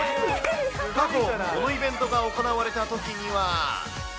過去、このイベントが行われたときには。